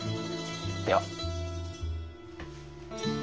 では。